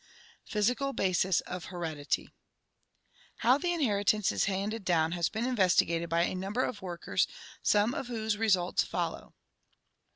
Physical Basis of Heredity How the inheritance is handed down has been investigated by a number of workers, some of whose results follow.